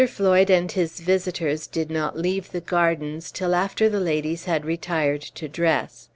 Floyd and his visitors did not leave the gardens till after the ladies had retired to dress.